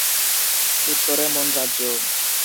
উত্তরে মন রাজ্য।